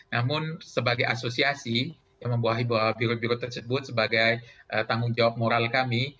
namun sebagai asosiasi yang membawahi bahwa biru biru tersebut sebagai tanggung jawab moral kami